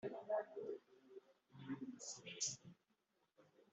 bukorwa mu kajagari nta suku ihagije irangwa aho bukorerwa amakaragiro n amabagiro ni make